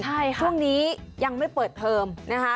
ช่วงนี้ยังไม่เปิดเทิมนะคะ